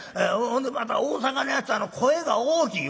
ほんでまた大阪のやつ声が大きい。